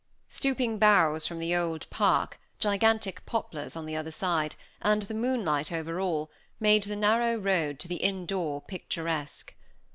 Stooping boughs from the old park, gigantic poplars on the other side, and the moonlight over all, made the narrow road to the inn door picturesque.